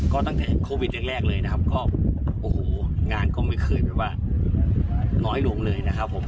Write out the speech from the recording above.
ก็ตั้งแต่โควิดแรกเลยนะครับงานก็ไม่เคยน้อยลงเลยนะครับผม